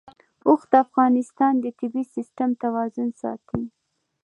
اوښ د افغانستان د طبعي سیسټم توازن ساتي.